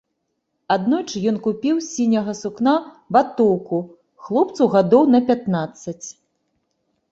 Аднойчы ён купіў з сіняга сукна ватоўку, хлопцу гадоў на пятнаццаць.